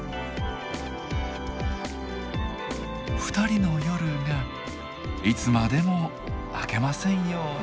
２人の夜がいつまでも明けませんように！